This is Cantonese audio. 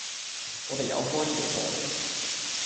我哋有開呢種課程